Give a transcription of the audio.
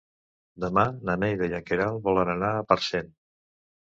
Demà na Neida i na Queralt volen anar a Parcent.